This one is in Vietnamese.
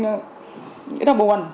nghĩ là buồn